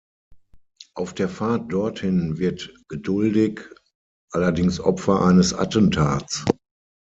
Auf der Fahrt dorthin wird Geduldig allerdings Opfer eines Attentats.